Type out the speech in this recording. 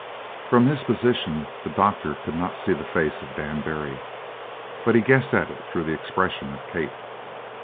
From his position, the doctor could not see the face of Dan Barry, but he guessed at it through the expression of Kate.